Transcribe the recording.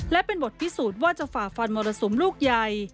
และเป็นบทพิสูจน์ว่าจะฝ่าฟันมรสุมลูกใหญ่